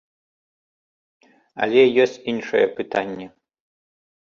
Але ёсць іншае пытанне.